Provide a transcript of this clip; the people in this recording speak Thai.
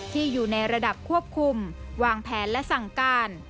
อยู่ในระดับควบคุมวางแผนและสั่งการ